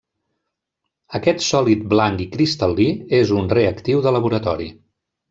Aquest sòlid blanc i cristal·lí és un reactiu de laboratori.